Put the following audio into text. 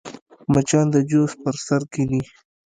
مچان د جوس پر سر کښېني